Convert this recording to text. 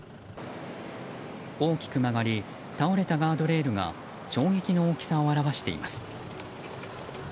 大きく曲がり倒れたガードレールが衝撃の大きさを表しています。